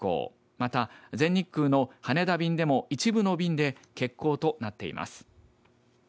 また、全日空の羽田便でも一部の便で欠航となっています。